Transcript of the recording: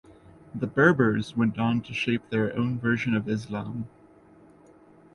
The Berbers went on to shape their own version of Islam.